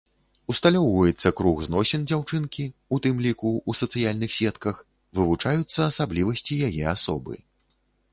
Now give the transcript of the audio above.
Усталёўваецца круг зносін дзяўчынкі, у тым ліку, у сацыяльных сетках, вывучаюцца асаблівасці яе асобы.